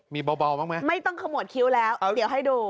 มีเบาบ้างไหมไม่ต้องขมวดคิ้วแล้วเดี๋ยวให้ดู